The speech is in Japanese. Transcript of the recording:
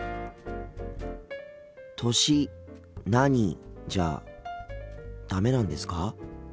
「歳何？」じゃダメなんですか？